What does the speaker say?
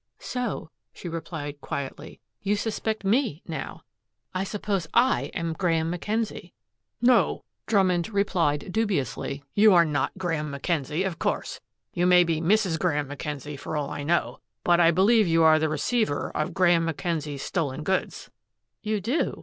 "So," she replied quietly, "you suspect ME, now. I suppose I am Graeme Mackenzie." "No," Drummond replied dubiously, "you are not Graeme Mackenzie, of course. You may be Mrs. Graeme Mackenzie, for all I know. But I believe you are the receiver of Graeme Mackenzie's stolen goods!" "You do?"